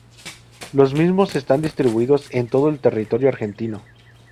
Los mismos están distribuidos en todo el territorio Argentino.